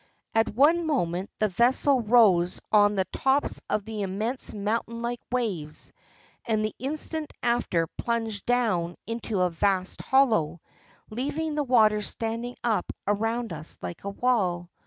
At one moment the vessel rose on the tops of the immense mountain like waves, and the instant after plunged down into a vast hollow, leaving the waters standing up around us like a wall.